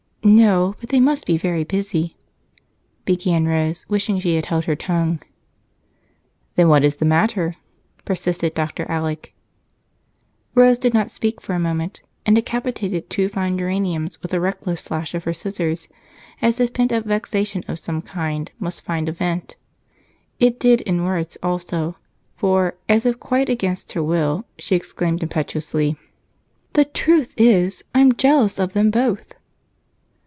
"No, but they must be very busy," began Rose, wishing she had held her tongue. "Then what is the matter?" persisted Dr. Alec. Rose did not speak for a moment, and decapitated two fine geraniums with a reckless slash of her scissors, as if pent up vexation of some kind must find a vent. It did in words also, for, as if quite against her will, she exclaimed impetuously: "The truth is, I'm jealous of them both!"